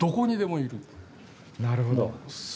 なるほど。